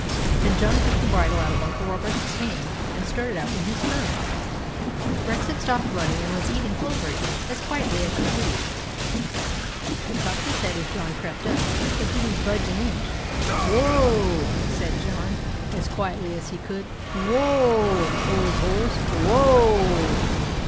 Then John took the bridle out of Uncle Robert's hand, and started out in his turn. THE TAMING OF REX 19 Rex had stopped running, and was eating clover again, as quietly as you please. He cocked his head as John crept up, but did n't budge an inch. " Whoa !" said John, as quietly as he could. " Who o a, old horse, who o a